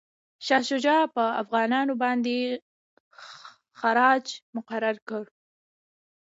شاه شجاع پر افغانانو باندي خراج مقرر کړ.